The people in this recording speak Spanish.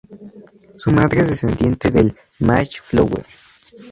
Su madre es descendiente del "Mayflower".